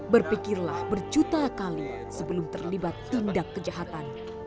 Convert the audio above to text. berpikirlah berjuta kali sebelum terlibat tindak kejahatan